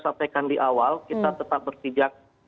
sampaikan di awal kita tetap bertijak